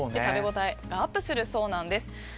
食べ応えがアップするそうです。